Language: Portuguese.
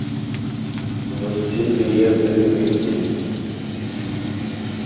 Você deveria ver o email dele!